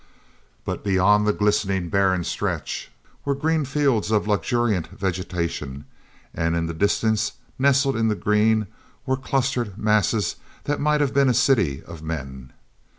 But beyond the glistening barren stretch were green fields of luxuriant vegetation and in the distance, nestled in the green were clustered masses that might have been a city of men.